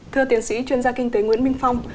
thưa tiến sĩ chuyên gia kinh tế nguyễn minh phong